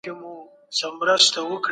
ايا ژوندپوهنه د طبيعت برخه ده؟